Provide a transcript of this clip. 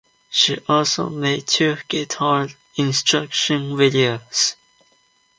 She also made two guitar instruction videos.